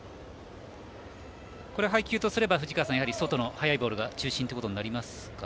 配球とすれば藤川さん外の速いボール中心ということになりますか。